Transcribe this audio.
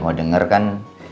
ya yang lo denger kan